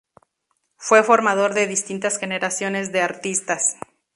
Fue formador de distintas generaciones de artistas.